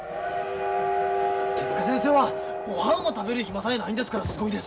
手先生はごはんも食べる暇さえないんですからすごいです。